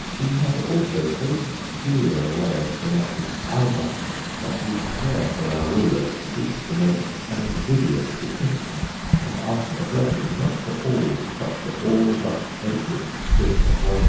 He had also so peculiar a way of pronouncing "Albert," that his prayer for our rulers seemed to make an invidious distinction, and ask a blessing, not for all, but for all but Edward, Prince of Wales.